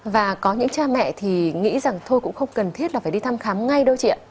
và có những cha mẹ thì nghĩ rằng thôi cũng không cần thiết là phải đi thăm khám ngay đâu chị ạ